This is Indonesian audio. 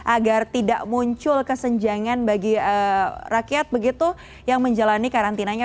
agar tidak muncul kesenjangan bagi rakyat begitu yang menjalani karantinanya